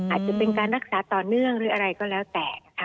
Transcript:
อาจจะเป็นการรักษาต่อเนื่องหรืออะไรก็แล้วแต่นะคะ